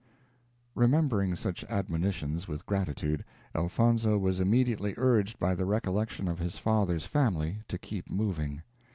Remembering such admonitions with gratitude, Elfonzo was immediately urged by the recollection of his father's family to keep moving.